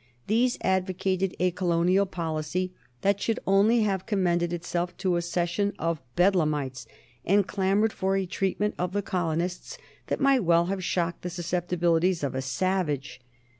These advocated a colonial policy that should only have commended itself to a session of Bedlamites, and clamored for a treatment of the colonists that might well have shocked the susceptibilities of a savage.